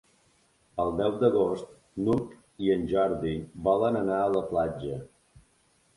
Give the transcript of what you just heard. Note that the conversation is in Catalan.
El deu d'agost n'Hug i en Jordi volen anar a la platja.